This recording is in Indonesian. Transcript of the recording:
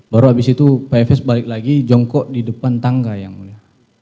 baru habis itu pak efes balik lagi jongkok di depan tangga yang mulia